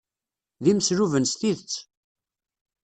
D imesluben s tidet.